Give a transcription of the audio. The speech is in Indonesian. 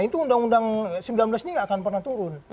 itu undang undang sembilan belas ini nggak akan pernah turun